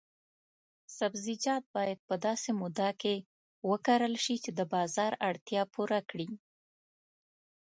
سبزیجات باید په داسې موده کې وکرل شي چې د بازار اړتیا پوره کړي.